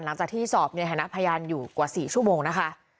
หลังจากที่สอบในฐานะพยานอยู่กว่า๔ชั่วโมงนะคะ